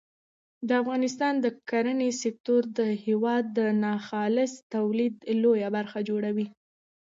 د افغانستان د کرنې سکتور د هېواد د ناخالص تولید لویه برخه جوړوي.